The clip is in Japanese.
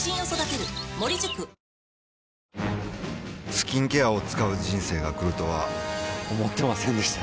スキンケアを使う人生が来るとは思ってませんでした